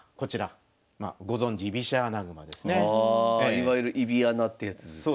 いわゆる居飛穴ってやつですよね。